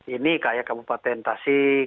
ini kayak kabupaten tasik